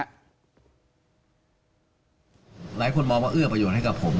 หลายคนมองว่าเอื้อประโยชน์ให้กับผม